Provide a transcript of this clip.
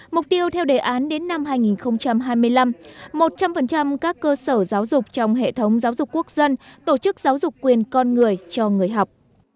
mục tiêu theo đề án đến năm hai nghìn hai mươi năm một trăm linh các cơ sở giáo dục trong hệ thống giáo dục quốc dân tổ chức giáo dục quyền con người cho người học